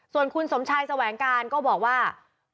ส่วนคุณสมชายแสวงการก็บอกว่า